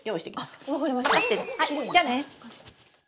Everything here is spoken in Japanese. じゃあね！